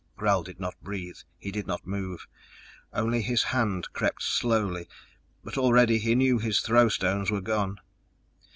Gral did not breathe. He did not move. Only his hand crept slowly, but already he knew his throw stones were gone.